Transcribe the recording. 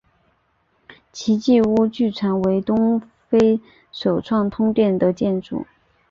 奇迹屋据传为东非首幢通电的建筑。